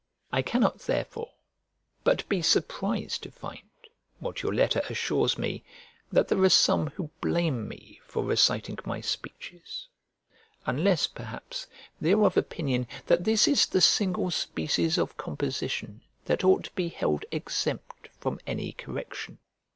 I cannot therefore but be surprised to find (what your letter assures me) that there are some who blame me for reciting my speeches: unless, perhaps, they are of opinion that this is the single species of composition that ought to be held exempt from any correction.